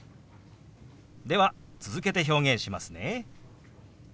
では続けて表現しますね。